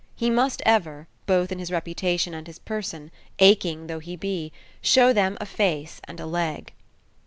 He must ever, both in his reputation and his person, aching though he be, show them a face and a leg.